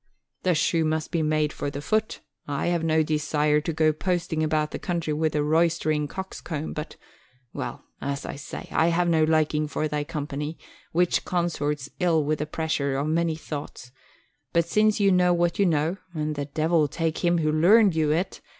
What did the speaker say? "The shoe must be made for the foot. I have no desire to go posting about the country with a roystering coxcomb but well as I say, I have no liking for thy company, which consorts ill with the pressure of many thoughts; but since you know what you know (and the Devil take him who learned you it!)